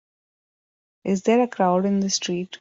Is there a crowd in the street?